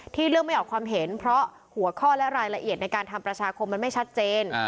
เรื่องไม่ออกความเห็นเพราะหัวข้อและรายละเอียดในการทำประชาคมมันไม่ชัดเจน